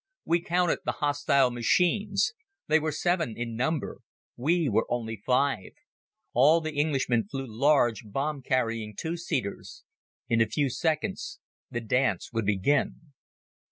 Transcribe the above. We counted the hostile machines. They were seven in number. We were only five. All the Englishmen flew large bomb carrying two seaters. In a few seconds the dance would begin.